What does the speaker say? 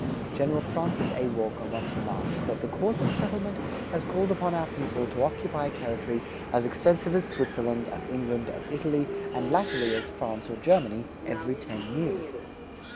General Francis A. Walker once remarked that "the course of settlement has called upon our people to occupy territory as extensive as Switzerland, as England, as Italy, and latterly, as France or Germany, every ten years."